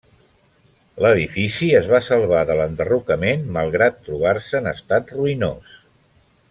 L'edifici es va salvar de l'enderrocament malgrat trobar-se en estat ruïnós.